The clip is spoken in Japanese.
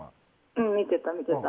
うん、見てた見てた。